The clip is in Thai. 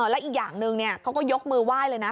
และอีกอย่างหนึ่งเขาก็ยกมือไหว้เลยนะ